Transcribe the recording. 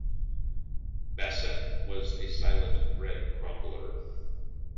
Bassett was a silent bread crumbler.